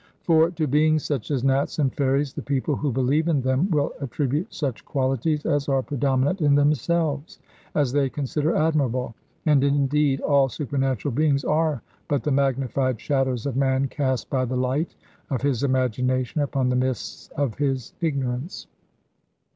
For to beings such as Nats and fairies the people who believe in them will attribute such qualities as are predominant in themselves, as they consider admirable; and, indeed, all supernatural beings are but the magnified shadows of man cast by the light of his imagination upon the mists of his ignorance.